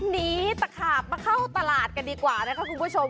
นี้ต่อค่ะมาเข้าตลาดกันดีกว่านะครับคุณผู้ชม